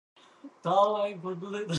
Tom موٹا ہے